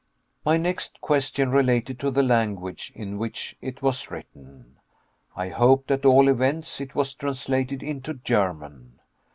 My next question related to the language in which it was written. I hoped at all events it was translated into German.